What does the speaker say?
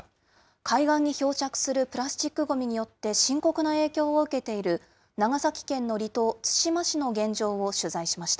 海岸に漂着するプラスチックごみによって深刻な影響を受けている長崎県の離島、対馬市の現状を取材しました。